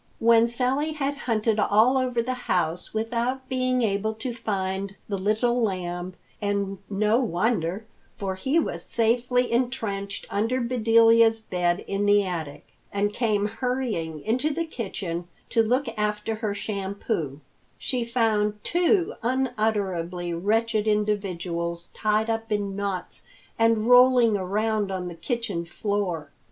When Sally had hunted all over the house without being able to find the Little Lamb—and no wonder, for he was safely entrenched under Bedelia's bed in the attic—and came hurrying into the kitchen to look after her shampoo, she found two unutterably wretched individuals tied up in knots and rolling around on the kitchen floor.